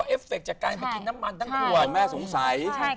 เอฟเฟคจากการไปกินน้ำมันตั้งกว่า